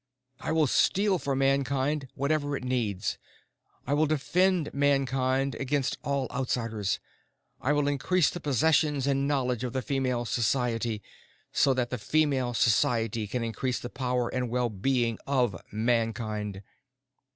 "I will steal for Mankind whatever it needs. I will defend Mankind against all outsiders. I will increase the possessions and knowledge of the Female Society so that the Female Society can increase the power and well being of Mankind."